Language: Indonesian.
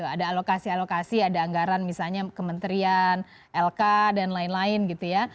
ada alokasi alokasi ada anggaran misalnya kementerian lk dan lain lain gitu ya